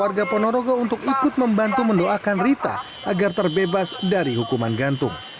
warga ponorogo untuk ikut membantu mendoakan rita agar terbebas dari hukuman gantung